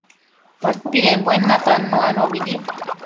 padpidembuen natannu anobidi